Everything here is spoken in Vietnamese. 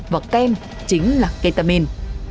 và kem chính là ketamin